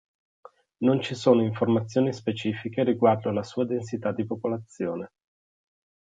Non ci sono informazioni specifiche riguardo la sua densità di popolazione.